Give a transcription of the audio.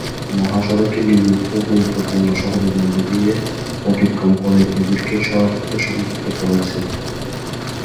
মহাসড়কটি নিম্নোক্ত গুরুত্বপূর্ণ শহরের মধ্যে দিয়ে অতিক্রম করে এদেরকে সড়কপথে সংযুক্ত করেছে।